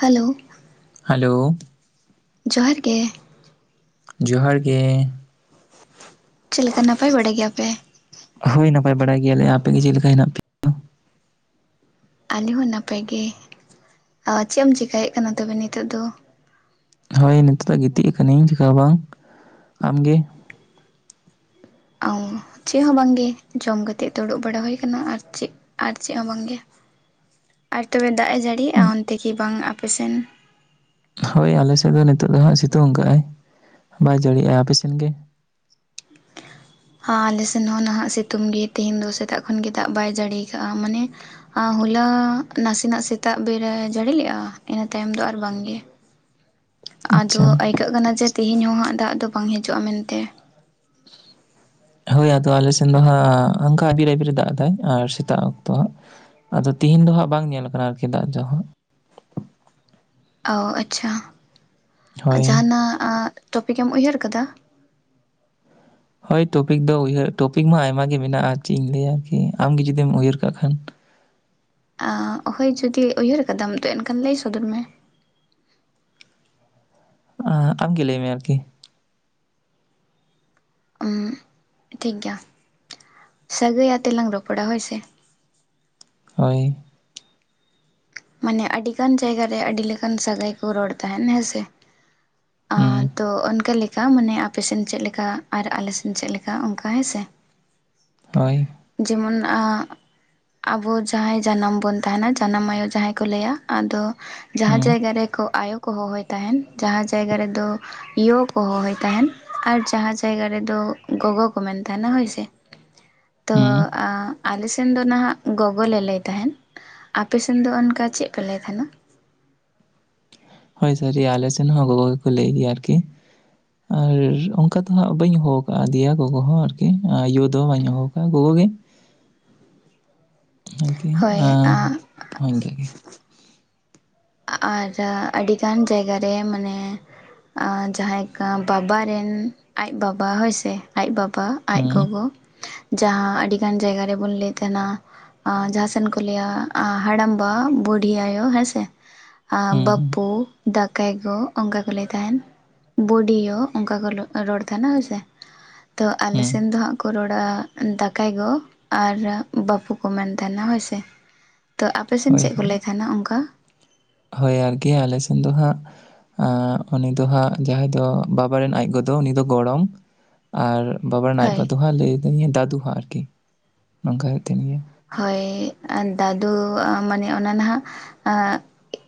Hello. Hello. ᱡᱚᱦᱟᱨ ᱜᱮ᱾ ᱡᱚᱦᱟᱨ ᱜᱮ᱾ ᱪᱮᱫ ᱞᱮᱠᱟ ᱱᱟᱯᱟᱭ ᱵᱟᱲᱟᱭ ᱜᱮᱭᱟᱯᱮ᱾ ᱦᱳᱭ ᱱᱟᱯᱟᱭ ᱵᱟᱲᱟᱭ ᱜᱮᱭᱟᱞᱮ ᱟᱯᱮ ᱜᱮ ᱪᱮᱫ ᱞᱮᱠᱟ ᱦᱮᱱᱟᱜ ᱯᱮ ᱟᱞᱮ ᱦᱚᱸ ᱱᱟᱯᱟᱭ ᱜᱮ ᱚ ᱪᱮᱜ ᱮᱢ ᱪᱮᱠᱟᱭᱮᱜ ᱠᱟᱱᱟ ᱛᱚᱵᱮ ᱱᱤᱛᱚᱜ ᱫᱚ᱾ ᱦᱳᱭ ᱱᱤᱛᱚᱜ ᱫᱚ ᱜᱤᱛᱤᱡ ᱠᱟᱹᱱᱤᱧ ᱪᱮᱠᱟᱦᱚ ᱵᱟᱝ ᱟᱢᱜᱮ᱾ ᱚ ᱪᱮᱫ ᱦᱚᱸ ᱵᱟᱝᱜᱮ ᱡᱚᱢ ᱠᱟᱛᱮ ᱫᱩᱲᱩᱵ ᱵᱟᱲᱟ ᱦᱩᱭ ᱠᱟᱱᱟ ᱟᱨ ᱪᱮᱜ᱾ ᱟᱨ ᱪᱮᱫ ᱦᱚᱸ ᱵᱟᱝᱜᱮ ᱟᱨ ᱛᱚᱵᱮ ᱫᱟᱜ ᱮ ᱡᱟᱹᱲᱤᱭᱮᱜᱼᱟ ᱚᱱᱛᱮ ᱠᱤ ᱵᱟᱝ ᱟᱯᱮ ᱥᱮᱱ᱾ ᱦᱳᱭ ᱟᱞᱮᱥᱮᱫ ᱫᱚ ᱱᱤᱛᱚᱜ ᱫᱚ ᱦᱟᱸᱜ ᱥᱤᱛᱩᱝ ᱠᱟᱜᱼᱟᱭ ᱵᱟᱭ ᱡᱟᱹᱲᱤᱭᱮᱜᱼᱟ ᱟᱯᱮᱥᱮᱫ ᱜᱮ᱾ ᱦᱟᱸ ᱟᱞᱮ ᱥᱮᱱ ᱦᱚᱸ ᱱᱟᱦᱟᱜ ᱥᱤᱛᱩᱝ ᱜᱮ ᱛᱮᱦᱮᱧ ᱫᱚ ᱥᱮᱛᱟᱜ ᱠᱷᱚᱱ ᱜᱮ ᱫᱟᱜ ᱵᱟᱭ ᱡᱟᱹᱲᱤ ᱠᱟᱜᱼᱟ ᱢᱟᱱᱮ ᱦᱟᱸ ᱦᱚᱞᱟ ᱱᱟᱥᱮᱱᱟᱜ ᱥᱮᱛᱟᱜ ᱵᱮᱨᱟᱭ ᱡᱟᱹᱲᱤ ᱞᱮᱜᱼᱟ ᱤᱱᱟᱹ ᱛᱟᱭᱚᱢ ᱫᱚ ᱟᱨ ᱵᱟᱝᱜᱮ᱾ ᱟᱫᱚ ᱟᱪᱪᱷᱟ ᱟᱹᱭᱠᱟᱹᱜ ᱠᱟᱱᱟ ᱡᱮ ᱛᱮᱦᱮᱧ ᱦᱚᱸ ᱦᱟᱸᱜ ᱫᱟᱜ ᱫᱚ ᱵᱟᱝ ᱦᱤᱡᱩᱜᱼᱟ ᱢᱮᱱᱛᱮ᱾ ᱦᱳᱭ ᱟᱫᱚ ᱟᱞᱮ ᱥᱮᱱ ᱫᱚ ᱦᱟᱸᱜ ᱟᱝᱠᱟ ᱵᱤᱨᱟ ᱵᱤᱨᱮ ᱫᱟᱜ ᱫᱟᱭ ᱟᱨ ᱥᱮᱛᱟᱜ ᱚᱠᱛᱚ ᱦᱟᱸᱜ᱾ ᱟᱫᱚ ᱛᱤᱦᱤᱧ ᱫᱚ ᱦᱟᱸᱜ ᱵᱟᱝ ᱧᱮᱞ ᱟᱠᱟᱱᱟ ᱟᱨᱠᱤ ᱫᱟᱜ ᱡᱚ ᱦᱟᱸᱜ᱾ ᱚ ᱟᱪᱪᱷᱟ ᱦᱳᱭ᱾ ᱡᱟᱦᱟᱱᱟᱜ ᱟᱜ ᱴᱚᱯᱤᱠᱮᱢ ᱩᱭᱦᱟᱹᱨ ᱠᱟᱫᱟ? ᱦᱳᱭ ᱴᱚᱯᱤᱠ ᱫᱚ ᱩᱭᱦᱟᱹᱨ ᱴᱚᱯᱤᱠ ᱢᱟ ᱟᱭᱢᱟ ᱜᱮ ᱢᱮᱱᱟᱜᱼᱟ, ᱪᱮᱫ ᱤᱧ ᱞᱟᱹᱭᱟ ᱠᱤ ᱟᱢ ᱜᱮ ᱡᱩᱫᱤᱢ ᱩᱭᱦᱟᱹᱨ ᱠᱟᱜ ᱠᱷᱟᱱ᱾ ᱦᱳᱭ ᱡᱩᱫᱤ ᱩᱭᱦᱟᱹᱨ ᱟᱠᱟᱫᱟᱢ ᱛᱚ ᱮᱱᱠᱷᱟᱱ ᱞᱟᱹᱭ ᱥᱚᱫᱚᱨ ᱢᱮ? ᱟᱢᱜᱤ ᱞᱟᱹᱭ ᱢᱮ ᱟᱨᱠᱤ? ᱩ [unintelligible] ᱴᱷᱤᱠ ᱜᱮᱭᱟ ᱥᱟᱹᱜᱟᱹᱭ ᱟᱛᱮ ᱞᱟᱝ ᱨᱚᱯᱚᱲᱟ ᱦᱳᱭ ᱥᱮ᱾ ᱦᱳᱭ᱾ ᱢᱟᱱᱮ ᱟᱹᱰᱤ ᱜᱟᱱ ᱡᱟᱭᱜᱟ ᱨᱮ ᱟᱹᱰᱤ ᱞᱮᱠᱟᱱ ᱥᱟᱹᱜᱟᱭ ᱠᱚ ᱨᱚᱲ ᱛᱟᱦᱮᱱ ᱦᱮᱸᱥᱮ᱾ ᱦᱩᱸ [unintelligible] ᱛᱚ ᱚᱱᱠᱟ ᱞᱮᱠᱟ ᱢᱟᱱᱮ ᱟᱯᱮ ᱥᱮᱱ ᱪᱮᱫ ᱞᱮᱠᱟ ᱟᱨ ᱟᱞᱮ ᱥᱮᱱ ᱪᱮᱫ ᱞᱮᱠᱟ ᱚᱱᱠᱟ ᱦᱮᱸ ᱥᱮ᱾ [inaudible] ᱦᱳᱭ᱾ ᱡᱮᱢᱚᱱ [unintelligible] ᱟᱵᱚ ᱡᱟᱦᱟᱸᱭ ᱡᱟᱱᱟᱢ ᱵᱚᱱ ᱛᱟᱦᱮᱸᱱᱟ ᱡᱟᱱᱟᱢ ᱟᱭᱳ ᱡᱟᱦᱟᱸ ᱠᱚ ᱞᱟᱹᱭᱟ, ᱟᱫᱚ ᱡᱟᱦᱟᱸ ᱦᱩᱸ ᱡᱟᱭᱜᱟ ᱨᱮᱠᱚ ᱟᱭᱳ ᱠᱚ ᱦᱚᱦᱚᱭ ᱛᱟᱦᱮᱸᱱ, ᱡᱟᱦᱟᱸ ᱡᱟᱭᱜᱟ ᱨᱮᱫᱚ ᱭᱳ ᱠᱚ ᱦᱚᱦᱚᱭ ᱛᱟᱦᱮᱸᱱ ᱟᱨ ᱡᱟᱦᱟᱸ ᱡᱟᱭᱜᱟ ᱨᱮᱫᱚ ᱜᱚᱜᱚ ᱠᱚ ᱢᱮᱱ ᱛᱟᱦᱮᱸᱱᱟ ᱦᱳᱭ ᱥᱮ᱾ ᱦᱮᱸ [unintelligible] ᱛᱳ ᱦᱩᱸ ᱟᱞᱮ ᱥᱮᱱ ᱫᱚ ᱱᱟᱦᱟᱜ ᱜᱚᱜᱚ ᱞᱮ ᱞᱟᱹᱭ ᱛᱟᱦᱮᱸᱱ, ᱟᱯᱮ ᱥᱮᱱ ᱫᱚ ᱚᱱᱠᱟ ᱪᱮᱫ ᱯᱮ ᱞᱟᱹᱭ ᱛᱟᱦᱮᱸᱱᱟ? ᱦᱳᱭ ᱥᱮ [unintelligible] ᱟᱞᱮ ᱥᱮᱱ ᱦᱚᱸ ᱜᱚᱜᱚ ᱜᱮᱠᱚ ᱞᱟᱹᱭ ᱜᱮᱭᱟ ᱟᱨᱠᱤ᱾ ᱟᱨ ᱚᱱᱠᱟ ᱫᱚ ᱦᱟᱸᱜ ᱵᱟᱹᱧ ᱦᱚᱦᱚ ᱟᱠᱟ ᱫᱮᱭᱟ ᱜᱚᱜᱚ ᱦᱚᱸ ᱟᱨᱠᱤ ᱭᱳ ᱫᱚ ᱵᱟᱹᱧ ᱦᱚᱦᱚᱭ ᱟᱠᱟᱫ ᱜᱚᱜᱚ ᱜᱮ᱾ [inaudible] ᱦᱮᱜᱮ ᱦᱳᱭ [unintelligible] [unintelligible] ᱟᱨ ᱟᱹᱰᱤᱜᱟᱱ ᱡᱟᱭᱜᱟ ᱨᱮ ᱢᱟᱱᱮ ᱡᱟᱦᱟᱸᱭ ᱠᱟᱢ ᱵᱟᱵᱟ ᱨᱮᱱ ᱟᱡ ᱵᱟᱵᱟ ᱦᱳᱭ ᱥᱮ ᱟᱡ ᱵᱟᱵ ᱯᱟ ᱟᱡ ᱦᱩᱸ ᱜᱚᱜᱚ ᱡᱟᱦᱟᱸ ᱟᱹᱰᱤᱜᱟᱱ ᱡᱟᱭᱜᱟ ᱨᱮ ᱵᱚᱱ ᱞᱟᱹᱭ ᱛᱟᱦᱮᱸᱱᱟ ᱾ ᱡᱟᱦᱟᱸᱱ ᱥᱮ ᱠᱚ ᱞᱟᱹᱭᱟ ᱦᱟᱲᱟᱢᱵᱟ ᱵᱩᱰᱤ ᱟᱭᱳ ᱦᱮᱸ ᱥᱮ᱾ ᱦᱩᱸ ᱵᱟᱹᱯ ᱦᱩᱸ ᱯᱩ ᱫᱟᱠᱟᱭ ᱜᱚ᱾ ᱚᱱᱠᱟ ᱠᱚ ᱞᱟᱹᱭ ᱛᱟᱦᱮᱸᱱ ᱵᱳᱰᱤᱭᱳ ᱸᱚᱱᱠᱟ ᱠᱚ [unintelligible] ᱨᱚᱲ ᱛᱟᱦᱮᱱᱟ ᱦᱮᱸ ᱥᱮ᱾ ᱛᱚ ᱟᱞᱮ ᱦᱩᱸ ᱥᱮᱱ ᱫᱚ ᱦᱟᱸᱜ ᱠᱚ ᱨᱚᱲ ᱚᱲ [unintelligible] ᱫᱟᱠᱟᱭ ᱜᱚ ᱟᱨ ᱵᱟᱹᱯᱩ ᱠᱚ ᱢᱮᱱ ᱛᱟᱦᱮᱸᱱᱟ ᱦᱳᱭ ᱥᱮ᱾ ᱛᱚ ᱟᱯᱮ ᱥᱮᱱ ᱦᱳᱭ ᱪᱮᱫ ᱠᱚ ᱦᱳᱭ ᱞᱟᱹᱭ ᱛᱟᱦᱮᱸᱱᱟ ᱚᱱᱠᱟ? ᱦᱳᱭ ᱟᱨᱠᱤ ᱟᱞᱮ ᱥᱮᱱ ᱫᱚ ᱦᱟᱸᱜ [unintelligible] ᱩᱱᱤ ᱫᱚ ᱦᱟᱸᱜ ᱡᱟᱦᱟᱸᱭ ᱫᱚ ᱵᱟᱵᱟ ᱨᱮᱱ ᱟᱡ ᱜᱚ ᱫᱚ ᱩᱱᱤ ᱫᱚ ᱜᱚᱲᱚᱢ ᱟᱨ ᱵᱟᱵᱟ ᱨᱮᱱ ᱟᱡ ᱦᱳᱭ ᱵᱟ ᱫᱩ ᱦᱟᱸᱜ ᱞᱟᱹᱭ ᱵᱤᱧᱹ ᱫᱟᱫᱩ ᱦᱚᱸᱜᱸ ᱟᱨᱠᱤ [inaudible] ᱱᱚᱝᱠᱟ ᱠᱟᱛᱮᱫ ᱜᱮ᱾ ᱦᱳᱭ ᱟᱨ ᱫᱟᱫᱩ ᱢᱟᱱᱮ ᱚᱱᱟ ᱱᱟᱦᱟᱜ ᱟᱜ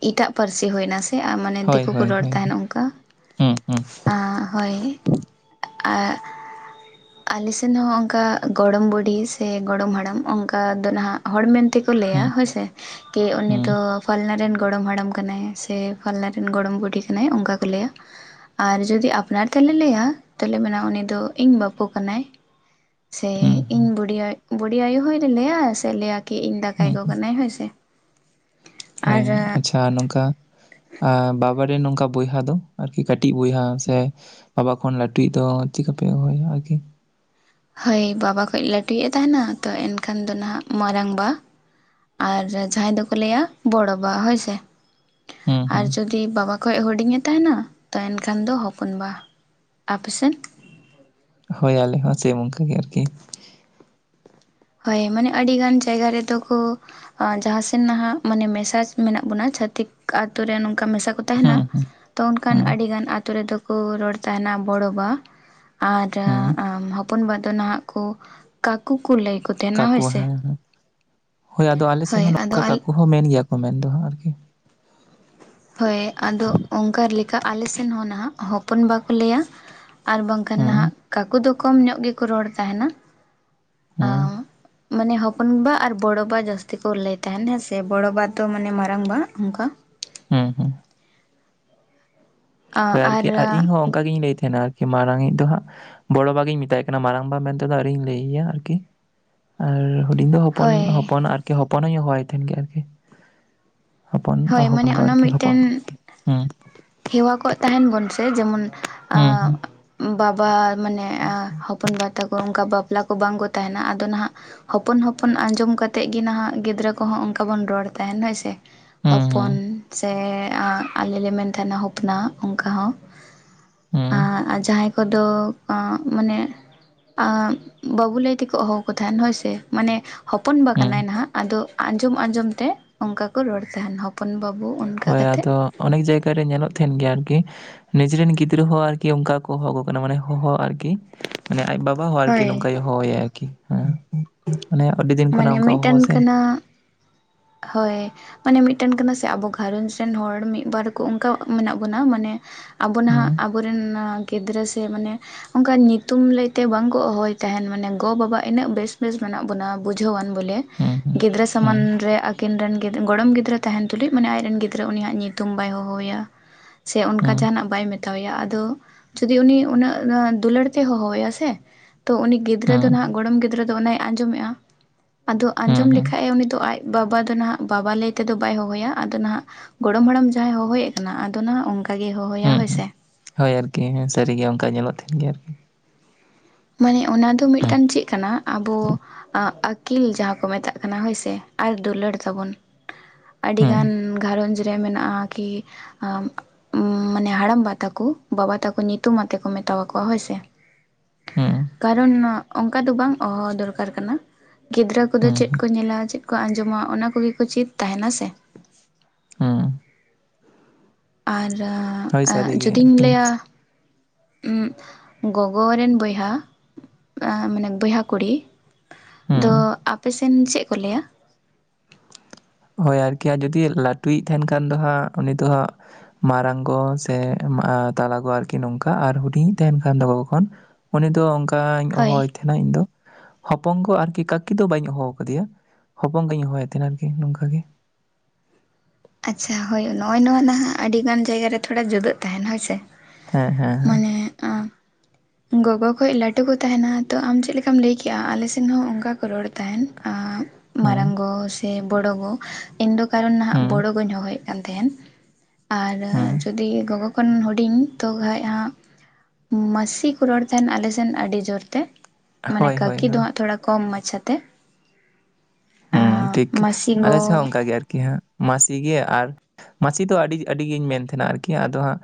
ᱮᱴᱟᱜ ᱯᱟᱹᱨᱥᱤ ᱦᱩᱭ ᱮᱱᱟ ᱥᱮ ᱢᱟᱱᱮ ᱦᱳᱭ ᱫᱤᱠᱩ ᱠᱚ ᱦᱳᱭ ᱨᱚᱲ ᱦᱳᱭ ᱛᱟᱦᱮᱸᱱ ᱚᱱᱠᱟ ᱾ ᱦᱩᱸ ᱦᱩᱸ ᱾ ᱟ ᱦᱳᱭ [inaudible] ᱟᱞᱮ ᱥᱮᱱ ᱦᱚᱸ ᱚᱱᱠᱟ ᱜᱚᱲᱚᱢ ᱵᱩᱰᱷᱤ ᱥᱮ ᱜᱚᱲᱚᱢ ᱦᱟᱲᱟᱢ ᱚᱱᱠᱟ ᱫᱚ ᱱᱟᱦᱟᱜ ᱦᱚᱲ ᱢᱮᱱ ᱛᱮ ᱠᱚ ᱞᱟᱹᱭᱟ ᱦᱩᱸ ᱦᱩᱸ ᱦᱳᱭᱥᱮ ᱠᱤ ᱩᱱᱤ ᱦᱩᱸ ᱫᱚ ᱯᱷᱟᱞᱱᱟ ᱨᱮᱱ ᱜᱚᱲᱚᱢ ᱦᱟᱲᱟᱢ ᱠᱟᱱᱟᱭ ᱥᱮ ᱯᱷᱟᱞᱱᱟ ᱨᱮᱱ ᱜᱚᱲᱚᱢ ᱵᱩᱰᱷᱤ ᱠᱟᱱᱟᱭ ᱚᱱᱠᱟ ᱠᱚ ᱞᱟᱹᱭᱟ᱾ ᱟᱨ ᱡᱩᱫᱤ ᱟᱯᱱᱟᱨ ᱛᱮᱞᱮ ᱞᱟᱹᱭᱟ ᱛᱟᱦᱚᱞᱮ ᱢᱮᱱᱟ ᱩᱱᱤ ᱫᱚ ᱤᱧ ᱵᱟᱹᱯᱩ ᱠᱟᱱᱟᱭ ᱾ ᱥᱮ ᱦᱩᱸ ᱤᱧ ᱵᱩᱰᱤ ᱵᱩᱰᱤ ᱟᱭᱳ ᱦᱚᱸ ᱞᱟᱹᱭᱟ ᱥᱮ ᱞᱟᱹᱭᱟ ᱠᱤ ᱤᱧ ᱫᱟᱠᱟᱭ ᱦᱩᱸ ᱜᱚ ᱦᱩᱸ ᱠᱟᱱᱟᱭ ᱦᱳᱭ ᱥᱮ᱾ ᱟᱨ ᱦᱳᱭ, ᱟᱪᱪᱷᱟ ᱱᱚᱝᱠᱟ ᱟᱨ ᱵᱟᱵᱟ ᱨᱮᱱ ᱱᱚᱝᱠᱟ ᱵᱚᱭᱦᱟ ᱫᱚ ᱟᱨᱠᱤ ᱠᱟᱹᱴᱤᱡ ᱵᱚᱭᱦᱟ ᱥᱮ ᱵᱟᱵᱟ ᱠᱷᱚᱱ ᱞᱟᱹᱴᱩᱭᱤᱡ ᱫᱚ ᱪᱮᱫᱠᱟ ᱯᱮ ᱦᱚᱦᱚᱟᱭᱟ ᱟᱨᱠᱤ? ᱦᱳᱭ ᱵᱟᱵᱟ ᱠᱷᱚᱱ ᱞᱟᱹᱴᱩᱭᱤᱡ ᱮ ᱛᱟᱦᱮᱸᱱᱟ ᱛᱚ ᱮᱱᱠᱷᱟᱱ ᱫᱚ ᱱᱟᱦᱟᱜ ᱢᱟᱨᱟᱝᱵᱟ ᱾ ᱟᱨ ᱡᱟᱦᱟᱸᱭ ᱫᱚᱠᱚ ᱞᱟᱹᱭᱟ ᱵᱚᱲᱚ ᱵᱟ ᱦᱳᱭᱥᱮ ᱾ ᱦᱩᱸ [inaudible] ᱟᱨ ᱦᱩᱸ ᱡᱩᱫᱤ ᱵᱟᱵᱟ ᱠᱷᱚᱡ ᱦᱩᱰᱤᱧ ᱮ ᱛᱟᱦᱮᱸᱱᱟ ᱛᱚ ᱮᱱᱠᱷᱟᱱ ᱫᱚ ᱦᱚᱯᱚᱱ ᱵᱟ, ᱟᱯᱮ ᱥᱮᱫ? ᱦᱳᱭ ᱟᱞᱮ ᱦᱚᱸ ᱥᱮᱹᱢ ᱚᱱᱠᱟ ᱜᱮ ᱟᱨᱠᱤ ᱾ ᱦᱳᱭ ᱢᱟᱱᱮ ᱟᱹᱰᱤᱜᱟᱱ ᱡᱟᱭᱜᱟ ᱨᱮᱫᱚ ᱠᱚ ᱟ ᱡᱟᱦᱟᱸ ᱥᱮᱱ ᱱᱟᱦᱟᱜ ᱢᱟᱱᱮ ᱢᱮᱥᱟ ᱢᱮᱱᱟᱜ ᱵᱚᱱᱟ ᱪᱷᱟᱹᱛᱤᱠ ᱟᱹᱛᱩ ᱨᱮᱱ ᱱᱚᱝᱠᱟ ᱢᱮᱥᱟ ᱠᱚ ᱛᱟᱦᱮᱸᱱᱟ ᱦᱩᱸ ᱦᱩᱸ ᱛᱚ ᱚᱱᱠᱟᱱ ᱦᱩᱸ ᱟᱹᱰᱤᱜᱟᱱ ᱟᱛᱳ ᱨᱮᱫᱚ ᱠᱚ ᱨᱚᱲ ᱛᱟᱸᱦᱮᱱᱟ ᱵᱚᱲᱚ ᱵᱟ᱾ ᱟᱨ ᱟ ᱦᱩᱸ ᱦᱚᱯᱚᱱ ᱵᱟ ᱫᱚ ᱱᱟᱦᱟᱜ ᱠᱚ ᱠᱟᱠᱩ ᱠᱚ ᱞᱟᱹᱭ ᱠᱚ ᱛᱟᱦᱮᱱᱟ ᱦᱳᱭ ᱠᱟᱠᱩ ᱥᱮ ᱦᱮᱸ ᱦᱮᱸ᱾ [inaudible] ᱦᱳᱭ ᱟᱫᱚ ᱟᱞᱮᱥᱮᱫ ᱦᱳᱭ ᱦᱚᱸ ᱟᱫᱚ ᱱᱚᱝᱠᱟ ᱟᱞᱮ ᱠᱟᱠᱩ ᱦᱚᱸ ᱢᱮᱱ ᱜᱮᱭᱟ ᱠᱚ ᱢᱮᱱ ᱫᱚ ᱦᱟᱸᱜ ᱟᱨᱠᱤ ᱾ ᱦᱳᱭ ᱟᱫᱚ ᱚᱱᱠᱟ ᱞᱮᱠᱟ ᱟᱞᱮ ᱥᱮᱱ ᱦᱚᱸ ᱱᱟᱦᱟᱜ ᱦᱚᱯᱚᱱ ᱵᱟ ᱠᱚ ᱞᱟᱹᱭᱟ ᱾ ᱟᱨ ᱵᱟᱝᱠᱷᱟᱱ ᱦᱩᱸ ᱦᱟᱸᱜ ᱠᱟᱠᱩ ᱫᱚ ᱠᱚᱢ ᱧᱚᱜ ᱜᱮᱠᱚ ᱨᱚᱲ ᱛᱟᱦᱮᱱᱟ ᱦᱩᱸ ᱾ [inaudible] ᱢᱟᱱᱮ ᱦᱚᱯᱚᱱ ᱵᱟ ᱟᱨ ᱵᱚᱲᱚ ᱵᱟ ᱡᱟᱹᱥᱛᱤ ᱠᱚ ᱞᱟᱹᱭ ᱛᱟᱦᱮᱱ ᱦᱮᱸ ᱥᱮ, ᱵᱚᱲᱚ ᱵᱟ ᱫᱚ ᱢᱟᱱᱮ ᱢᱟᱨᱟᱝ ᱵᱟ ᱚᱱᱠᱟ ᱾ ᱦᱩᱸ ᱦᱩᱸ ᱾ ᱦᱳᱭ ᱟᱨᱠᱤ, ᱟᱨ ᱤᱧᱦᱚᱸ ᱚᱱᱠᱟ ᱜᱤᱧ ᱞᱟᱹᱭ ᱛᱟᱦᱮᱱᱟ ᱟᱨᱠᱤ, ᱢᱟᱨᱟᱝ ᱤᱡ ᱫᱚ ᱦᱟᱸᱜ ᱵᱚᱲᱚᱵᱟ ᱜᱤᱧ ᱢᱮᱛᱟᱭ ᱠᱟᱱᱟ ᱾ ᱢᱟᱨᱟᱝᱵᱟ ᱢᱮᱱᱛᱮ ᱫᱚ ᱟᱨᱣᱨᱤᱧ ᱞᱟᱹᱭ ᱟᱭᱟ ᱟᱨᱠᱤ ᱾ ᱟᱨ ᱦᱩᱰᱤᱧ ᱫᱚ ᱦᱚᱯᱚᱱ ᱦᱳᱭ ᱦᱚᱯᱚᱱ ᱟᱨᱠᱤ ᱦᱚᱯᱚᱱ ᱦᱚᱧ ᱦᱚᱦᱚᱣᱟᱭ ᱛᱟᱦᱮᱱ ᱜᱮ ᱟᱨᱠᱤ ᱾ ᱦᱚᱯᱚᱱ ᱦᱳᱭ ᱦᱚᱯᱚᱱ ᱢᱟᱱᱮ ᱜᱚ ᱚᱱᱟ ᱟᱨᱠᱤ ᱦᱚᱯᱚᱱ ᱢᱤᱫᱴᱮᱱ [inaudible] ᱦᱮᱸ ᱾ ᱦᱮᱣᱟ ᱠᱚᱜ ᱛᱟᱦᱮᱱ ᱵᱚᱱ ᱥᱮ ᱡᱮᱢᱚᱱ ᱦᱩᱸ ᱦᱩᱸ ᱮᱸ ᱵᱟᱵᱟ ᱢᱟᱱᱮ ᱦᱚᱯᱚᱱ ᱵᱟ ᱛᱟᱠᱚ ᱚᱱᱠᱟ ᱵᱟᱯᱞᱟ ᱠᱚ ᱵᱟᱝ ᱠᱚ ᱛᱟᱦᱮᱱᱟ ᱾ ᱟᱫᱚ ᱱᱟᱦᱟᱜ ᱦᱚᱯᱚᱱ ᱦᱚᱯᱚᱱ ᱟᱸᱡᱚᱢ ᱠᱟᱛᱮᱫ ᱜᱮ ᱱᱟᱦᱟᱜ ᱜᱤᱫᱽᱨᱟᱹ ᱠᱚᱦᱚᱸ ᱚᱱᱠᱟ ᱵᱚᱱ ᱨᱚᱲ ᱛᱟᱦᱮᱱ ᱦᱳᱭ ᱥᱮ ᱾ ᱦᱩᱸ, ᱦᱩᱸ, ᱦᱚᱯᱚᱱ ᱥᱮ ᱟᱸ ᱟᱞᱮᱞ ᱞᱮ ᱢᱮᱱ ᱛᱟᱦᱮᱱᱟ ᱦᱚᱯᱱᱟ ᱚᱱᱠᱟ ᱦᱚᱸ ᱾ ᱦᱩᱸ, ᱟᱨ ᱡᱟᱦᱟᱸᱭ ᱠᱚᱫᱚ ᱚᱸ ᱢᱟᱱᱮ ᱟᱸ ᱵᱟᱹᱵᱩ ᱞᱟᱹᱭ ᱛᱮᱠᱚ ᱦᱚᱦᱚᱣᱟ ᱠᱚ ᱛᱟᱦᱮᱸᱱ ᱦᱳᱭ ᱥᱮ ᱾ ᱢᱟᱱᱮ ᱦᱚᱯᱚᱱ ᱵᱟ ᱠᱟᱱᱟᱭ ᱦᱩᱸ, ᱱᱟᱦᱟᱜ ᱾ ᱟᱫᱚ ᱟᱸᱡᱚᱢ ᱟᱸᱡᱚᱢ ᱛᱮ ᱚᱱᱠᱟ ᱠᱚ ᱨᱚᱲ ᱛᱟᱦᱮᱱ, ᱦᱚᱯᱚᱱ ᱵᱟᱹᱵᱩ ᱚᱱᱠᱟ ᱦᱳᱭ ᱠᱟᱛᱮᱫ ᱾ ᱟᱫᱚ ᱚᱱᱮᱠ ᱡᱟᱭᱜᱟ ᱨᱮ ᱧᱮᱞᱚᱜ ᱛᱟᱦᱮᱱ ᱜᱮᱭᱟ ᱟᱨᱠᱤ ᱱᱤᱡᱮᱨᱮᱱ ᱜᱤᱫᱽᱨᱟᱹ ᱦᱚᱸ ᱟᱨᱠᱤ ᱚᱱᱠᱟ ᱠᱚ ᱦᱚᱦᱚ ᱟᱠᱚ ᱠᱟᱱᱟ, ᱢᱟᱱᱮ ᱦᱚᱦᱚ ᱟᱨᱠᱤ ᱾ ᱢᱟᱱᱮ ᱟᱡ ᱵᱟᱵᱟ ᱦᱚᱸ ᱟᱨᱠᱤ ᱦᱳᱭ ᱱᱚᱝᱠᱟᱭ ᱦᱚᱦᱚᱣᱟᱭᱟ ᱟᱨᱠᱤ ᱦᱮᱸ ᱾ ᱢᱟᱱᱮ ᱟᱹᱰᱤ ᱫᱤᱱ ᱠᱷᱚᱱᱟᱜ ᱢᱟᱱᱮ ᱚᱱᱠᱟ ᱦᱚᱦᱚ ᱢᱤᱫᱴᱮᱱ ᱥᱮ ᱾ ᱠᱟᱱᱟ ᱦᱳᱭ ᱾ ᱢᱟᱱᱮ ᱢᱤᱫᱴᱮᱱ ᱠᱟᱱᱟ ᱥᱮ ᱟᱵᱚ ᱜᱷᱟᱨᱚᱸᱡᱽ ᱨᱮᱱ ᱦᱚᱲ ᱢᱤᱫ-ᱵᱟᱨ ᱠᱚ ᱚᱱᱠᱟ ᱢᱮᱱᱟᱜ ᱵᱚᱱᱟ ᱢᱟᱱᱮ ᱟᱵᱚ ᱱᱟᱦᱟᱜ ᱦᱩᱸ, ᱟᱵᱚᱨᱮᱱ ᱜᱤᱫᱽᱨᱟᱹ ᱥᱮ ᱢᱟᱱᱮ ᱚᱱᱠᱟ ᱧᱩᱛᱩᱢ ᱞᱟᱹᱭᱛᱮ ᱵᱟᱝᱠᱚ ᱦᱚᱦᱚᱭ ᱛᱟᱦᱮᱸᱜ᱾ ᱢᱟᱱᱮ ᱜᱚ ᱵᱟᱵᱟ ᱤᱱᱟᱹᱜ ᱵᱮᱥ ᱵᱮᱥ ᱢᱮᱱᱟᱜ ᱵᱚᱱᱟ, ᱵᱩᱡᱷᱟᱹᱣᱟᱱ ᱼᱼ ᱵᱚᱞᱮ᱾ ᱦᱩᱸ, ᱦᱩᱸ, ᱜᱤᱫᱽᱨᱟᱹ ᱥᱟᱢᱟᱱ ᱦᱩᱸ, ᱨᱮᱼᱼ ᱩᱱᱠᱤᱱ ᱨᱮᱱ ᱜᱚᱲᱚᱢ ᱜᱤᱫᱽᱨᱟᱹ ᱛᱟᱦᱮᱱ ᱛᱩᱞᱩᱡ᱾ ᱢᱟᱱᱮ ᱟᱡ ᱨᱮᱱ ᱜᱤᱫᱽᱨᱟᱹ ᱩᱱᱤᱭᱟᱜ ᱧᱩᱛᱩᱢ ᱵᱟᱭ ᱦᱚᱦᱚᱭᱟ᱾ ᱥᱮ ᱚᱱᱠᱟ ᱦᱩᱸ, ᱡᱟᱦᱟᱱᱟᱜ ᱵᱟᱭ ᱢᱮᱛᱟᱣᱟᱭᱟ᱾ ᱟᱫᱚᱼᱼ ᱡᱩᱫᱤ ᱩᱱᱤ ᱩᱱᱟᱹᱜ ᱫᱩᱞᱟᱹᱲ ᱛᱮ ᱦᱚᱦᱚᱣᱟᱭᱟ ᱥᱮᱼᱼ ᱛᱚ ᱩᱱᱤ ᱜᱤᱫᱽᱨᱟᱹ ᱫᱚ ᱦᱩᱸ, ᱱᱟᱦᱟᱜ ᱜᱚᱲᱚᱢ ᱜᱤᱫᱽᱨᱟᱹ ᱫᱚ ᱚᱱᱮᱭ ᱟᱸᱡᱚᱢᱮᱜᱼᱟ। ᱟᱫᱚ ᱦᱩᱸ, ᱟᱸᱡᱚᱢ ᱦᱩᱸ, ᱞᱮᱠᱷᱟᱡ ᱮ, ᱩᱱᱤ ᱫᱚ ᱟᱡᱼᱼ ᱵᱟᱵᱟ ᱫᱚ ᱱᱟᱦᱟᱜ ᱵᱟᱵᱟ ᱞᱟᱹᱭ ᱛᱮᱫᱚ ᱵᱟᱭ ᱦᱚᱦᱚᱭᱟ᱾ ᱟᱫᱚ ᱱᱟᱦᱟᱜᱼᱼ ᱜᱚᱲᱚᱢ ᱦᱟᱲᱟᱢ ᱡᱟᱦᱟᱸᱭ ᱦᱚᱦᱚᱭ ᱮᱫ ᱠᱟᱱᱟ᱾ ᱟᱫᱚ ᱱᱟᱜ ᱚᱱᱠᱟ ᱜᱮ ᱦᱚᱦᱚᱭᱟ ᱦᱩᱸ, ᱦᱳᱭ ᱦᱩᱸ, ᱥᱮ᱾ ᱦᱳᱭ ᱟᱨᱠᱤ, ᱦᱮᱸ ᱥᱟᱹᱨᱤᱜᱮ ᱚᱱᱠᱟ ᱧᱮᱞᱚᱜ ᱛᱟᱦᱮᱱ ᱜᱮᱭᱟ ᱟᱨᱠᱤ᱾ ᱢᱟᱱᱮ ᱚᱱᱟ ᱫᱚ ᱦᱩᱸ, ᱢᱤᱫᱴᱟᱝ ᱪᱮᱫ ᱠᱟᱱᱟ᱾ ᱟᱵᱚ ᱟᱸᱜᱼᱼ ᱟᱹᱠᱤᱞ ᱡᱟᱦᱟᱸ ᱠᱚ ᱢᱮᱛᱟᱜ ᱠᱟᱱᱟ ᱦᱳᱭᱥᱮ, ᱟᱨ ᱫᱩᱞᱟᱹᱲ ᱛᱟᱵᱚᱱ᱾ ᱦᱩᱸ, ᱟᱹᱰᱤᱜᱟᱱ ᱜᱷᱟᱨᱚᱸᱡᱽ ᱨᱮ ᱢᱮᱱᱟᱜᱼᱟ᱾ ᱠᱤ [unintelligible] [unintelligible] ᱢᱟᱱᱮ ᱦᱟᱲᱟᱢᱵᱟ ᱛᱟᱠᱚ, ᱵᱟᱵᱟ ᱛᱟᱠᱚ ᱧᱩᱛᱩᱢ ᱟᱛᱮ ᱠᱚ ᱢᱮᱛᱟᱣ ᱟᱠᱚᱣᱟ ᱦᱳᱭ ᱥᱮ᱾ ᱦᱩᱸ, ᱠᱟᱨᱚᱱ ᱚᱱᱠᱟ ᱫᱚ ᱵᱟᱝ ᱦᱚᱦᱚ ᱫᱚᱨᱠᱟᱨ ᱠᱟᱱᱟ᱾ ᱜᱤᱫᱽᱨᱟᱹ ᱠᱚᱫᱚ ᱪᱮᱫ ᱦᱩᱸ, ᱠᱚ ᱧᱮᱞᱟ, ᱪᱮᱫ ᱠᱚ ᱟᱸᱡᱚᱢᱟ, ᱚᱱᱟ ᱠᱚᱜᱮ ᱠᱚ ᱪᱮᱫ ᱛᱟᱦᱮᱱᱟ ᱥᱮ᱾ ᱦᱩᱸ, ᱟᱨ ᱦᱳᱭ ᱮᱸᱜ ᱥᱟᱹᱨᱤᱜᱮ ᱡᱩᱫᱤᱧ ᱟᱨᱠᱤ ᱞᱟᱹᱭᱟᱼᱼ ᱩᱸᱜ ᱜᱚᱜᱚ ᱨᱮᱱ ᱵᱚᱭᱦᱟ, ᱢᱟᱱᱮ ᱵᱚᱭᱦᱟ ᱠᱩᱲᱤ᱾ ᱫᱚ, ᱦᱩᱸ᱾ ᱟᱯᱮ ᱥᱮᱱ ᱪᱮᱫ ᱠᱚ ᱞᱟᱹᱭᱟ? ᱦᱳᱭ ᱟᱨᱠᱤ᱾ ᱡᱩᱫᱤ ᱞᱟᱹᱴᱩᱭᱤᱡ ᱛᱟᱦᱮᱱ ᱠᱷᱟᱱ ᱫᱚ ᱦᱟᱸᱜ, ᱩᱱᱤ ᱫᱚᱼᱼ ᱢᱟᱨᱟᱝ ᱜᱚ, ᱥᱮ ᱮᱸ ᱛᱟᱞᱟ ᱜᱚ ᱟᱨᱠᱤ ᱱᱚᱝᱠᱟ᱾ ᱟᱨ ᱦᱩᱰᱤᱧᱤᱡ ᱛᱟᱦᱮᱱ ᱠᱷᱟᱱ ᱫᱚ ᱜᱚᱜᱚ ᱠᱷᱚᱱᱼᱼ ᱩᱱᱤ ᱫᱚ ᱚᱱᱠᱟᱧ ᱦᱚᱦᱚᱣᱟᱭ ᱦᱳᱭ ᱛᱟᱦᱮᱱᱟ ᱤᱧ ᱫᱚ᱾ ᱦᱚᱯᱚᱝ ᱜᱚ ᱟᱨᱠᱤ, ᱠᱟᱠᱤ ᱫᱚ ᱵᱟᱹᱧ ᱦᱚᱦᱚᱣᱟ ᱟᱠᱟᱫᱮᱭᱟ। ᱦᱚᱯᱚᱝ ᱜᱚᱧ ᱦᱚᱦᱚᱣᱟᱭ ᱛᱟᱦᱮᱱᱟ ᱟᱨᱠᱤ ᱱᱚᱝᱠᱟ ᱜᱮ᱾ ᱟᱪᱪᱷᱟ ᱦᱳᱭ ᱱᱚᱜᱼᱚᱭ ᱱᱚᱣᱟ ᱱᱟᱦᱟᱜ ᱟᱹᱰᱤ ᱜᱟᱱ ᱡᱟᱭᱜᱟ ᱨᱮ ᱛᱷᱚᱲᱟ ᱡᱩᱫᱟᱹᱜ ᱛᱟᱦᱮᱱᱟ ᱦᱳᱭ ᱥᱮ᱾ ᱦᱮᱸ ᱦᱮᱸ ᱦᱮᱸ ᱢᱟᱱᱮ ᱟᱸᱜᱼᱼ ᱜᱚᱜᱚ ᱠᱷᱚᱡ ᱞᱟᱹᱴᱩ ᱠᱚ ᱛᱟᱦᱮᱱᱟ ᱛᱚ᱾ ᱟᱢ ᱪᱮᱫ ᱞᱮᱠᱟᱢ ᱞᱟᱹᱭ ᱠᱮᱭᱟ ᱟᱞᱮ ᱥᱮᱱ ᱦᱚᱸ ᱚᱱᱠᱟ ᱠᱚ ᱨᱚᱲ ᱛᱟᱦᱮᱱ᱾ ᱮᱸᱜ ᱦᱩᱸ ᱢᱟᱨᱟᱝ ᱜᱚ ᱥᱮ ᱵᱚᱲᱚ ᱜᱚ, ᱤᱧ ᱫᱚ ᱠᱟᱨᱚᱱ ᱱᱟᱦᱟᱜ ᱦᱩᱸ ᱵᱚᱲᱚ ᱜᱚᱧ ᱦᱚᱦᱚᱭᱮᱫ ᱠᱟᱱ ᱛᱟᱦᱮᱱ᱾ ᱦᱩᱸ ᱟᱨ ᱡᱩᱫᱤ ᱜᱚᱜᱚ ᱠᱷᱚᱱ ᱦᱩᱰᱤᱧ ᱛᱚ ᱠᱷᱟᱡ ᱦᱟᱸᱜᱼᱼ ᱢᱟᱹᱥᱤ ᱠᱚ ᱨᱚᱲ ᱛᱟᱦᱮᱱ ᱟᱞᱮ ᱥᱮᱱ ᱟᱹᱰᱤ ᱡᱳᱨ ᱛᱮ᱾ ᱢᱟᱱᱮ ᱦᱳᱭ ᱦᱳᱭ ᱠᱟᱹᱠᱤ ᱦᱳᱭ ᱫᱚ ᱦᱟᱸᱜ, ᱛᱷᱚᱲᱟ ᱠᱚᱢ ᱢᱟᱪᱷᱟᱛᱮ᱾ ᱦᱩᱸ ᱴᱷᱤᱠ ᱢᱟᱹᱥᱤ ᱟᱞᱮ ᱥᱮᱫ ᱦᱚᱸ ᱜᱚ ᱚᱱᱠᱟ ᱜᱮ ᱟᱨ ᱠᱤ ᱦᱟᱸ᱾ ᱢᱟᱹᱥᱤ ᱜᱮ ᱟᱨᱼᱼ ᱢᱟᱹᱥᱤ ᱫᱚ ᱟᱹᱰᱤ ᱟᱹᱰᱤᱜᱤᱧ ᱢᱮᱱ ᱛᱟᱦᱮᱱᱟ ᱟᱨᱠᱤ ᱟᱫᱚ ᱦᱟᱸᱜᱼᱼ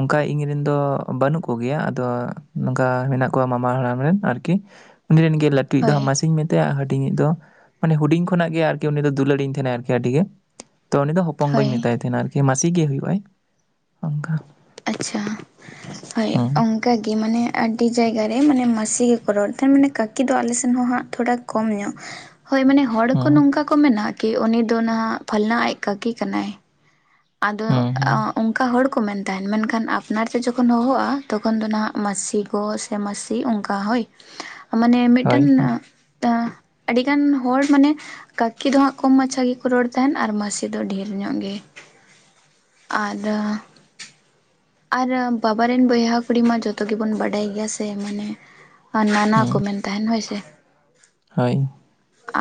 ᱚᱱᱠᱟ ᱤᱧ ᱨᱮᱱ ᱫᱚ ᱵᱟᱹᱱᱩᱜ ᱠᱚ ᱜᱮᱭᱟ᱾ ᱟᱫᱚ ᱱᱚᱝᱠᱟ ᱢᱮᱱᱟᱜ ᱠᱚᱣᱟ ᱢᱟᱢᱟ ᱦᱟᱲᱟᱢ ᱨᱮᱱ ᱟᱨᱠᱤ᱾ ᱩᱱᱤ ᱨᱮᱱ ᱜᱮ ᱞᱟᱹᱴᱩᱭᱤᱡ ᱫᱚ ᱦᱳᱭ ᱢᱟᱹᱥᱤ ᱢᱮᱛᱟᱭᱟ ᱟᱨ ᱦᱩᱰᱤᱧ ᱫᱚ᱾ ᱢᱟᱱᱮ ᱦᱩᱰᱤᱧ ᱠᱷᱚᱱᱟᱜ ᱜᱮ ᱟᱨᱠᱤ ᱩᱱᱤ ᱫᱚ ᱦᱩᱰᱤᱧ ᱠᱷᱚᱱᱟᱜ ᱜᱮ ᱟᱨ ᱠᱤ ᱩᱱᱤ ᱢᱟᱱᱮ ᱦᱩᱰᱤᱧ ᱠᱷᱚᱱᱟᱜ ᱜᱮ ᱟᱨᱠᱤ ᱤᱱᱤ ᱫᱚ ᱫᱩᱞᱟᱹᱲᱤᱧ ᱛᱟᱦᱮᱱᱟ ᱟᱹᱰᱤ ᱜᱮ ᱾ ᱛᱚ ᱩᱱᱤ ᱫᱚ ᱦᱚᱯᱚᱝ ᱜᱚ ᱦᱳᱭ ᱢᱮᱛᱟᱭ ᱛᱟᱦᱮᱱᱟ ᱟᱨᱼᱼ ᱢᱟᱹᱥᱤ ᱜᱮ ᱦᱩᱭᱩᱜ-ᱟᱭ, ᱚᱱᱠᱟ᱾ ᱟᱪᱪᱷᱟ, ᱦᱳᱭ ᱦᱩᱸ ᱚᱱᱠᱟ ᱜᱮ ᱢᱟᱱᱮ ᱟᱹᱰᱤ ᱡᱟᱭᱜᱟ ᱨᱮ ᱢᱟᱱᱮ ᱢᱟᱹᱥᱤ ᱜᱮᱠᱚ ᱨᱚᱲᱼᱼ ᱢᱟᱱᱮ ᱠᱟᱹᱠᱤ ᱫᱚ ᱟᱞᱮ ᱥᱮᱱ ᱦᱚᱸ ᱦᱟᱸᱜ ᱛᱷᱚᱲᱟ ᱠᱚᱢ ᱧᱚᱜ, ᱦᱳᱭ ᱢᱟᱱᱮ ᱦᱚᱲ ᱠᱚ ᱦᱩᱸ ᱱᱚᱝᱠᱟ ᱠᱚ ᱢᱮᱱᱟᱜ᱾ ᱠᱤ ᱩᱱᱤ ᱱᱟᱜ ᱯᱷᱟᱞᱱᱟ ᱟᱡ ᱠᱟᱹᱠᱤ ᱠᱟᱱᱟᱭ᱾ ᱟᱫᱚ ᱦᱩᱸ ᱦᱩᱸ ᱚᱱᱠᱟ ᱦᱚᱲᱼᱼ ᱠᱚ ᱢᱮᱱ ᱛᱟᱦᱮᱱ ᱾ ᱢᱮᱱᱠᱷᱟᱱ ᱟᱯᱱᱟᱨ ᱛᱮ ᱡᱚᱠᱷᱚᱱ ᱦᱚᱦᱚᱜᱼᱟ, ᱛᱚᱠᱷᱚᱱ ᱫᱚ ᱱᱟᱦᱟᱜ ᱢᱟᱹᱥᱤ ᱜᱚ ᱥᱮ ᱢᱟᱹᱥᱤ ᱚᱱᱠᱟ ᱦᱳᱭ᱾ ᱢᱟᱱᱮ ᱦᱳᱭ ᱢᱤᱫᱴᱟᱝ ᱦᱩᱸ [unintelligible] ᱟᱹᱰᱤ ᱜᱟᱱ ᱦᱚᱲ ᱢᱟᱱᱮᱼᱼ ᱠᱟᱹᱠᱤ ᱫᱚ ᱦᱟᱸᱜ ᱠᱚᱢ ᱢᱟᱪᱷᱟ ᱜᱮᱠᱚ ᱨᱚᱲ ᱛᱟᱦᱮᱱ ᱟᱨ ᱢᱟᱹᱥᱤ ᱫᱚ ᱰᱷᱮᱨ ᱧᱚᱜ ᱜᱮ᱾ ᱟᱫᱚ᱾ ᱟᱨ ᱵᱟᱵᱟ ᱨᱮᱱ ᱵᱚᱭᱦᱟ ᱠᱩᱲᱤ ᱢᱟ ᱡᱚᱛᱚ ᱜᱮᱵᱚᱱ ᱵᱟᱰᱟᱭ ᱜᱮᱭᱟ ᱥᱮ ᱢᱟᱱᱮᱼᱼ ᱟᱨ ᱱᱟᱱᱟ ᱦᱩᱸ ᱠᱚ ᱢᱮᱱ ᱛᱟᱦᱮᱱ ᱦᱚᱭ ᱥᱮ᱾ ᱦᱳᱭ᱾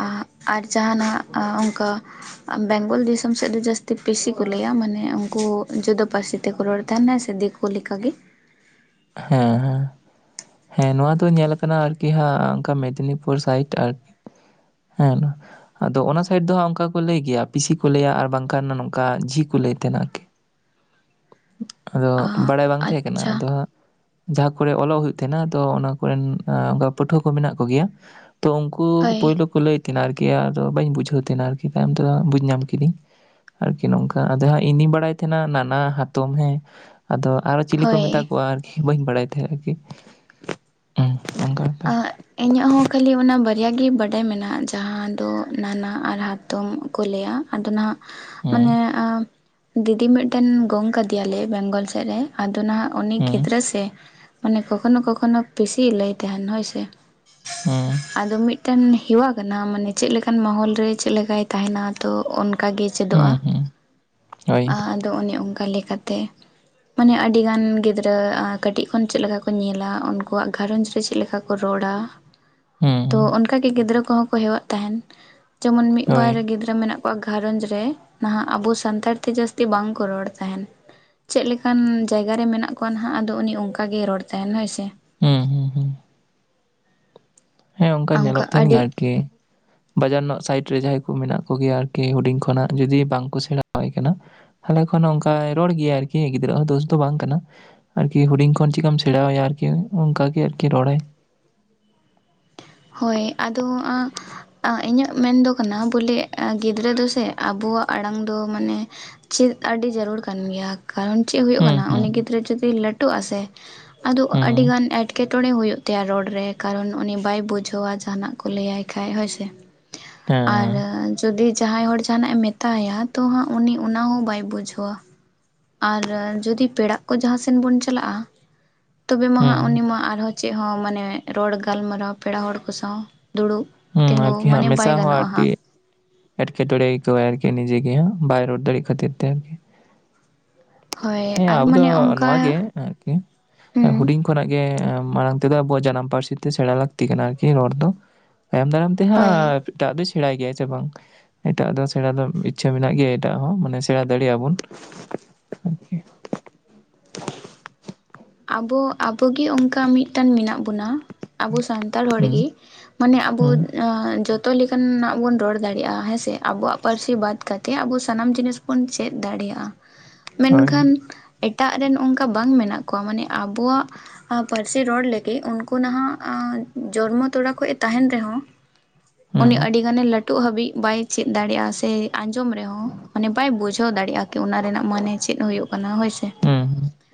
ᱟᱜ ᱟᱨ ᱡᱟᱦᱟᱸᱱᱟᱜ ᱟ ᱚᱱᱠᱟ ᱵᱮᱝᱜᱚᱞ ᱫᱤᱥᱚᱢ ᱥᱮᱫ ᱫᱚ ᱡᱟᱹᱥᱛᱤ ᱵᱮᱥᱤ ᱠᱚ ᱞᱟᱹᱭᱟ ᱢᱟᱱᱮ ᱩᱱᱠᱩ ᱡᱩᱫᱟᱹ ᱯᱟᱹᱨᱥᱤ ᱛᱮᱠᱚ ᱨᱚᱲ ᱛᱟᱦᱮᱸᱱᱟ ᱥᱮ ᱫᱤᱠᱩ ᱞᱮᱠᱟ ᱜᱤ, ᱦᱮᱸ ᱦᱮᱸ᱾ ᱦᱮᱸ ᱱᱚᱣᱟ ᱫᱚ ᱧᱮᱞ ᱟᱠᱟᱱᱟ ᱟᱨᱠᱤ ᱦᱟᱸᱜ ᱚᱱᱠᱟ ᱢᱮᱫᱽᱱᱤᱯᱩᱨ ᱥᱟᱭᱤᱰ ᱟᱨᱠᱤ᱾ ᱦᱮᱸ᱾ ᱟᱫᱚ ᱚᱱᱟ ᱥᱟᱭᱤᱰ ᱫᱚ ᱦᱟᱸᱜ ᱱᱚᱝᱠᱟ ᱠᱚ ᱞᱟᱹᱭ ᱜᱮᱭᱟ ᱯᱤᱥᱤ ᱞᱟᱹᱭᱟ ᱟᱨ ᱵᱟᱝᱠᱷᱟᱱ ᱱᱚᱝᱠᱟ ᱡᱤ ᱠᱚ ᱞᱟᱹᱭ ᱛᱟᱦᱮᱸᱱᱟ ᱟᱨᱠᱤ᱾ [inaudible] ᱟᱫᱚ ᱵᱟᱲᱟᱭ ᱵᱟᱝ ᱛᱟᱦᱮᱸ ᱠᱟᱱᱟ ᱟᱪᱪᱷᱟ ᱟᱫᱚ ᱦᱟᱸᱜ ᱡᱟᱦᱟᱸ ᱠᱚᱨᱮᱜ ᱚᱞᱚᱜ ᱦᱩᱭᱩᱜ ᱛᱟᱦᱮᱸᱱᱟ ᱛᱚ ᱚᱱᱟ ᱠᱚᱨᱮᱱ ᱯᱟᱹᱴᱷᱩᱣᱟᱹ ᱠᱚ ᱢᱮᱱᱟᱜ ᱠᱚᱜᱮᱭᱟ, ᱛᱚ ᱩᱝᱠᱩ ᱦᱳᱭ ᱯᱩᱭᱞᱩ ᱠᱚ ᱞᱟᱹᱭ ᱛᱟᱦᱮᱸᱱ ᱟᱨᱠᱤ ᱟᱫᱚ ᱵᱟᱹᱧ ᱵᱩᱡᱷᱟᱹᱣ ᱛᱟᱦᱮᱸᱱᱟ ᱟᱨᱠᱤ ᱛᱟᱭᱚᱢ ᱫᱚ ᱵᱩᱡᱽ ᱧᱟᱢ ᱠᱤᱫᱤᱧ, ᱟᱨᱠᱤ ᱱᱚᱝᱠᱟ ᱟᱫᱚ ᱦᱟᱸᱜ ᱤᱧᱫᱩᱧ ᱵᱟᱲᱟᱭ ᱛᱟᱦᱮᱸᱱᱟ ᱱᱟᱱᱟ ᱦᱟᱛᱚᱢ ᱦᱚᱸ, ᱟᱫᱚ ᱟᱨ ᱪᱤᱞᱤ ᱠᱚ ᱢᱮᱛᱟ ᱦᱳᱭ ᱠᱚᱣᱟ ᱟᱨᱠᱤ ᱵᱟᱹᱧ ᱵᱟᱲᱟᱭ ᱛᱟᱦᱮᱸᱜ ᱟᱨᱠᱤ᱾ ᱦᱩᱸ ᱚᱱᱠᱟ ᱵᱮᱯᱟᱨ ᱟᱜ ᱤᱧᱟᱹᱜ ᱦᱚᱸ ᱠᱷᱟᱹᱞᱤ ᱚᱱᱟ ᱵᱟᱨᱭᱟ ᱜᱮ ᱵᱟᱰᱟᱭ ᱢᱮᱱᱟᱜᱼᱟ ᱡᱟᱦᱟᱸ ᱫᱚ ᱱᱟᱱᱟ ᱟᱨ ᱦᱟ ᱛᱚᱢ ᱠᱚ ᱞᱟᱹᱭᱟ ᱟᱫᱚ ᱱᱟᱦᱟᱸᱜ ᱢᱟᱱᱮ ᱦᱩᱸ ᱫᱤᱫᱤ ᱢᱤᱫᱴᱮᱱ ᱜᱚᱝᱠᱟ ᱜᱮᱭᱟᱞᱮ ᱵᱮᱝᱜᱚᱞ ᱥᱮᱫ ᱨᱮ, ᱟᱫᱚ ᱱᱟᱦᱟᱸᱜ ᱩᱱᱤ ᱦᱩᱸ ᱜᱤᱫᱽᱨᱟᱹ ᱥᱮ ᱢᱟᱱᱮ ᱠᱚᱠᱷᱚᱱᱳ ᱠᱚᱠᱷᱚᱱᱳ ᱯᱮᱥᱤ ᱞᱟᱹᱭ ᱛᱟᱦᱮᱸᱱ ᱦᱳᱭ ᱥᱮ᱾ ᱦᱩᱸ᱾ ᱟᱫᱚ ᱢᱤᱫᱴᱮᱱ ᱦᱮᱣᱟ ᱠᱟᱱᱟ ᱢᱟᱱᱮ ᱪᱮᱫ ᱞᱮᱠᱟᱱ ᱢᱚᱦᱚᱞ ᱨᱮ ᱪᱮᱫ ᱞᱮᱠᱟᱭ ᱛᱟᱦᱮᱸᱱᱟ ᱛᱚ ᱚᱱᱠᱟᱜᱮ ᱪᱮᱫᱚᱜᱼᱟ ᱦᱩᱸ ᱦᱩᱸ ᱦᱳᱭ ᱟᱫᱚ ᱚᱱᱮ ᱚᱱᱠᱟ ᱞᱮᱠᱟᱛᱮ ᱢᱟᱱᱮ ᱟᱹᱰᱤ ᱜᱟᱱ ᱜᱤᱫᱽᱨᱟᱹ ᱟ ᱠᱟᱹᱴᱤᱡᱽ ᱠᱷᱚᱱ ᱪᱮᱫ ᱞᱮᱠᱟ ᱠᱚ ᱧᱮᱞᱟ ᱩᱱᱠᱩᱣᱟᱜ ᱜᱷᱟᱨᱚᱸᱡᱽ ᱠᱚ ᱪᱮᱫ ᱞᱮᱠᱟ ᱠᱚ ᱨᱚᱲᱟ ᱛᱚ ᱦᱩᱸ ᱚᱱᱠᱟ ᱜᱮ ᱜᱤᱫᱽᱨᱟᱹ ᱠᱚᱦᱚᱸ ᱠᱚ ᱦᱮᱣᱟᱜ ᱛᱟᱦᱮᱸᱱ᱾ ᱡᱮᱢᱚᱱ ᱢᱤᱫ ᱦᱳᱭ ᱵᱟᱨ ᱜᱤᱫ ᱨᱟᱹ ᱢᱮᱱᱟᱜ ᱠᱚᱣᱟ ᱜᱷᱟᱨᱚᱸᱡᱽ ᱨᱮ ᱱᱟᱦᱟᱸᱜ ᱟᱵᱚ ᱥᱟᱱᱛᱟᱲ ᱛᱮ ᱡᱟᱹᱥᱛᱤ ᱵᱟᱝ ᱠᱚ ᱨᱚᱲ ᱛᱟᱦᱮᱸᱱ᱾ ᱪᱮᱫ ᱞᱮᱠᱟᱱ ᱡᱟᱭᱜᱟᱹ ᱨᱮ ᱢᱮᱱᱟᱜ ᱠᱚᱣᱟ ᱱᱟᱦᱟᱸᱜ ᱟᱫᱚ ᱩᱱᱤ ᱚᱝᱠᱟ ᱜᱮᱭ ᱨᱚᱲ ᱛᱟᱦᱮᱸᱱᱟ ᱦᱳᱭ ᱥᱮ᱾ ᱦᱩᱸ ᱦᱩᱸ ᱦᱩᱸ᱾ ᱦᱮᱸ ᱚᱝᱠᱟ ᱚᱱᱠᱟ ᱧᱮᱞᱚᱜ ᱛᱟᱦᱮᱸᱱ ᱟᱹᱰᱤ ᱟᱨᱠᱤ᱾ [inaudible] ᱵᱟᱡᱟᱨ ᱨᱮᱱᱟᱜ ᱥᱟᱭᱤᱴ ᱨᱮ ᱡᱟᱦᱟᱸᱭ ᱠᱚ ᱢᱮᱱᱟᱜ ᱠᱚᱜᱮᱭᱟ ᱟᱨᱠᱤ ᱦᱩᱰᱤᱧ ᱠᱷᱚᱱᱟᱜ ᱡᱩᱫᱤ ᱵᱟᱝ ᱠᱚ ᱥᱮᱬᱟ ᱟᱭ ᱠᱟᱱᱟ, ᱟᱞᱮ ᱠᱷᱚᱱ ᱚᱱᱠᱟᱭ ᱨᱚᱲ ᱜᱮᱭᱟ ᱟᱨᱠᱤ ᱜᱤᱫᱽᱨᱟᱹ ᱦᱚᱸ ᱫᱳᱥ ᱫᱚ ᱵᱟᱝ ᱠᱟᱱᱟ᱾ ᱟᱨᱠᱤ ᱦᱩᱰᱤᱧ ᱠᱷᱚᱱ ᱪᱤᱠᱟᱢ ᱥᱮᱬᱟᱣᱟᱭᱟ ᱟᱨᱠᱤ ᱚᱱᱠᱟᱜ ᱜᱮ ᱟᱨᱠᱤ ᱨᱚᱲᱟᱭ᱾ ᱦᱳᱭ ᱟᱫᱚ ᱤᱧᱟᱹᱜ ᱢᱮᱱᱫᱚ ᱠᱟᱱᱟ ᱵᱚᱞᱮ ᱜᱤᱫᱽᱨᱟᱹ ᱫᱚᱥᱮ ᱟᱵᱚᱣᱟᱜ ᱟᱲᱟᱝ ᱫᱚ ᱢᱟᱱᱮ ᱪᱮᱫ ᱟᱹᱰᱤ ᱡᱟᱹᱨᱩᱲ ᱠᱟᱱ ᱜᱮᱭᱟ ᱠᱟᱨᱚᱱ ᱪᱮᱫ ᱦᱩᱭᱩᱜ ᱦᱩᱸ ᱠᱟᱱᱟ ᱦᱩᱸ ᱩᱱᱤ ᱜᱤᱫᱽᱨᱟᱹ ᱡᱩᱚᱫᱤ ᱞᱟᱹᱴᱩᱜ ᱟᱥᱮ ᱟᱫᱚ ᱦᱩᱸ ᱟᱹᱰᱤ ᱜᱟᱱ ᱮᱴᱠᱮᱴᱚᱬᱮ ᱦᱩᱭᱩᱜ ᱛᱟᱭᱟ ᱨᱚᱲ ᱨᱮ ᱠᱟᱨᱚᱱ ᱩᱱᱤ ᱵᱟᱭ ᱵᱩᱡᱽ ᱡᱷᱣᱟ ᱡᱟᱦᱟᱸᱱᱟᱜ ᱠᱚ ᱞᱟᱹᱭᱟᱭ ᱠᱷᱟᱡ ᱦᱳᱭ ᱥᱮ᱾ ᱦᱮᱸ᱾ ᱟᱨ ᱡᱩᱫᱤ ᱡᱟᱦᱟᱸᱭ ᱦᱚᱲ ᱡᱟᱦᱟᱸᱱᱟᱜᱼᱮ ᱢᱮᱛᱟᱭᱟ ᱛᱚ ᱦᱟᱸᱜ ᱩᱱᱤ ᱚᱱᱟ ᱦᱚᱸ ᱵᱟᱭ ᱵᱩᱡᱷᱟᱹᱣᱟ᱾ ᱟᱨ ᱡᱩᱫᱤ ᱯᱮᱲᱟᱜ ᱠᱚ ᱡᱟᱦᱟᱸ ᱥᱮᱱ ᱵᱚᱱ ᱪᱟᱞᱟᱜᱼᱟ, ᱛᱚᱵᱮ ᱢᱟ ᱦᱩᱸ ᱦᱟᱸᱜ ᱦᱩᱸ ᱩᱱᱤ ᱢᱟ ᱟᱨᱦᱚᱸ ᱪᱮᱫ ᱦᱚᱸ ᱢᱟᱱᱮ ᱨᱚᱲ ᱜᱟᱞᱢᱟᱨᱟᱣ ᱯᱮᱲᱟ ᱦᱚᱲ ᱠᱚ ᱥᱟᱶ ᱫᱩᱲᱩᱵ ᱦᱩᱸ ᱛᱤᱸᱜᱩ ᱟᱨᱠᱤ ᱦᱟᱸᱜ ᱢᱟᱱᱮ ᱵᱟᱭ ᱢᱮᱥᱟ ᱦᱚᱸ ᱜᱟᱱᱚᱜᱼᱟ ᱟᱨᱴᱤ ᱦᱟᱸᱜ ᱮᱴᱠᱮᱴᱚᱬᱮ ᱟᱹᱭᱠᱟᱹᱣᱟᱭ ᱟᱨᱠᱤ ᱱᱤᱡᱮ ᱜᱮ ᱦᱟᱸᱜ ᱵᱟᱭ ᱨᱚᱲ ᱫᱟᱲᱮᱜ ᱠᱷᱟᱹᱛᱤᱨ ᱛᱮ ᱟᱨᱠᱤ᱾ ᱦᱳᱭ ᱡᱮᱸ ᱟᱨ ᱟᱵᱚ ᱫᱚ ᱢᱟᱱᱮ ᱚᱱᱠᱟ ᱱᱚᱣᱟᱜ ᱜᱮ ᱟᱨᱠᱤ ᱦᱩᱸ ᱮ ᱦᱩᱰᱤᱧ ᱠᱷᱚᱱᱟᱜ ᱜᱮ ᱢᱟᱲᱟᱝ ᱛᱮᱫᱚ ᱟᱵᱚᱣᱟᱜ ᱡᱟᱱᱟᱢ ᱯᱟᱹᱨᱥᱤ ᱛᱮ ᱥᱮᱬᱟ ᱞᱟᱹᱠᱛᱤ ᱠᱟᱱᱟ ᱟᱨᱠᱤ ᱨᱚᱲ ᱫᱚ, ᱛᱟᱭᱚᱢ ᱫᱟᱨᱟᱢ ᱛᱮ ᱦᱟᱸᱜ ᱦᱳᱭ ᱮᱴᱟᱜ ᱫᱚᱭ ᱥᱮᱬᱟᱭ ᱜᱮᱭᱟᱭ ᱥᱮ ᱵᱟᱝ? ᱮᱴᱟᱜ-ᱟᱜ ᱫᱚ ᱥᱮᱬᱟ ᱫᱚ ᱤᱪᱪᱷᱟᱹ ᱢᱮᱱᱟᱜ ᱜᱮᱭᱟ ᱮᱴᱟᱜ-ᱟᱜ ᱦᱚᱸ ᱢᱟᱱᱮ ᱥᱮᱬᱟ ᱫᱟᱲᱮᱭᱟᱜ-ᱟ ᱵᱚᱱ᱾ ᱟᱵᱚ ᱟᱵᱚᱜᱮ ᱚᱱᱠᱟ ᱢᱤᱫᱴᱟᱱ ᱢᱮᱱᱟᱜ ᱵᱚᱱᱟ᱾ ᱟᱵᱚ ᱥᱟᱱᱛᱟᱲ ᱦᱩᱸ ᱦᱚᱲᱜᱮ ᱢᱟᱱᱮ ᱟᱵᱚ ᱦᱩᱸ ᱟ ᱡᱚ ᱛᱚ ᱞᱮᱠᱟᱱᱟᱜ ᱵᱚᱱ ᱨᱚᱲ ᱫᱟᱲᱮᱭᱟᱜᱼᱟ ᱦᱮᱸ ᱥᱮ, ᱟᱵᱚᱣᱟᱜ ᱯᱟᱹᱨᱥᱤ ᱵᱟᱫ ᱠᱟᱛᱮ ᱟᱵᱚ ᱥᱟᱱᱟᱢ ᱡᱤᱱᱤᱥ ᱵᱚᱱ ᱪᱮᱫ ᱫᱟᱲᱮᱭᱟᱜᱼᱟ᱾ ᱦᱳᱭ ᱢᱮᱱᱠᱷᱟᱱ ᱮᱴᱟᱜ ᱨᱮᱱ ᱚᱱᱠᱟ ᱵᱟᱝ ᱢᱮᱱᱟᱜ ᱠᱚᱣᱟ, ᱢᱟᱱᱮ ᱟᱵᱚᱣᱟᱜ ᱟ ᱯᱟᱹᱨᱥᱤ ᱨᱚᱲ ᱞᱟᱹᱜᱤᱫ ᱩᱱᱠᱩ ᱱᱟᱦᱟᱜ ᱡᱚᱱᱢᱚ ᱛᱚᱲᱟ ᱠᱷᱚᱡ-ᱮ ᱛᱟᱦᱮᱱ ᱨᱮᱦᱚᱸ ᱦᱩᱸ ᱩᱱᱤ ᱟᱹᱰᱤ ᱜᱟᱱ-ᱮ ᱞᱟᱹᱴᱩᱜ ᱦᱟᱹᱵᱤᱡ ᱵᱟᱭ ᱪᱮᱫ ᱫᱟᱲᱮᱭᱟᱜᱼᱟ ᱥᱮ ᱟᱸᱡᱚᱢ ᱨᱮᱦᱚᱸ ᱢᱟᱱᱮ ᱵᱟᱭ ᱵᱩᱡᱷᱟᱹᱣ ᱫᱟᱲᱮᱭᱟᱜᱼᱟ ᱠᱤ ᱚᱱᱟ ᱨᱮᱱᱟᱜ ᱢᱟᱱᱮ ᱪᱮᱫ ᱦᱩᱭᱩᱜ ᱠᱟᱱᱟ, ᱦᱳᱭ ᱥᱮ᱾ ᱦᱩᱸ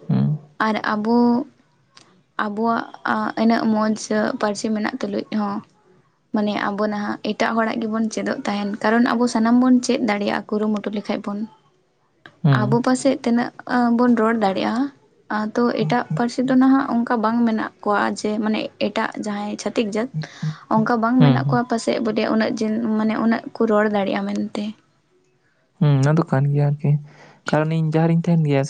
ᱦᱩᱸ ᱦᱩᱸ ᱟᱨ ᱟᱵᱚ ᱟᱵᱚᱣᱟᱜ ᱮ ᱤᱱᱟᱹᱜ ᱢᱚᱡᱽ ᱯᱟᱹᱨᱥᱤ ᱢᱮᱱᱟᱜ ᱛᱩᱞᱩᱡ ᱦᱚᱸ ᱢᱟᱱᱮ ᱟᱵᱚ ᱱᱟᱦᱟᱜ ᱮᱴᱟᱜ ᱦᱚᱲᱟᱜ ᱜᱮᱵᱚᱱ ᱪᱮᱫᱚᱜ ᱛᱟᱦᱮᱱ ᱠᱟᱨᱚᱱ ᱟᱵᱚ ᱥᱟᱱᱟᱢ ᱵᱚᱱ ᱪᱮᱫ ᱫᱟᱲᱮᱭᱟᱜ-ᱟ ᱠᱩᱨᱩᱢᱩᱴᱩ ᱞᱮᱠᱷᱟᱡ ᱵᱚᱱ, ᱟᱵᱚ ᱦᱩᱸ ᱯᱟᱥᱮᱡ ᱛᱤᱱᱟᱹᱜ ᱵᱚᱱ ᱨᱚᱲ ᱫᱟᱲᱮᱭᱟᱜᱼᱟ ᱛᱚ ᱮᱴᱟᱜ ᱯᱟᱹᱨᱥᱤ ᱫᱚ ᱱᱟᱦᱟᱜ ᱚᱱᱠᱟ ᱵᱟᱝ ᱢᱮᱱᱟᱜ ᱠᱚᱣᱟ ᱡᱮ ᱢᱟᱱᱮ ᱮᱴᱟᱜ ᱡᱟᱦᱟᱸᱭ ᱪᱷᱟᱹᱛᱤᱠ ᱡᱟᱹᱛ᱾ ᱚᱱᱠᱟ ᱵᱟᱝ ᱢᱮᱱᱟᱜ ᱦᱩᱸ ᱠᱚᱣᱟ ᱯᱟᱥᱮᱡ ᱵᱚᱞᱮ ᱩᱱᱟᱹᱜ ᱡᱮ ᱢᱟᱱᱮ ᱩᱱᱟᱹᱜ ᱠᱚ ᱨᱚᱲ ᱫᱟᱲᱮᱭᱟᱜᱼᱟ ᱢᱮᱱᱛᱮ᱾ ᱦᱩᱸ ᱚᱱᱟ ᱫᱚ ᱠᱟᱱ ᱜᱮᱭᱟ ᱟᱨᱠᱤ ᱠᱟᱨᱚᱱ ᱤᱧ ᱡᱟᱦᱟᱸᱨᱤᱧ ᱛᱟᱦᱮᱱ ᱜᱮᱭᱟ ᱥᱮ